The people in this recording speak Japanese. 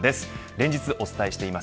連日お伝えしています